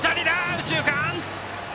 右中間！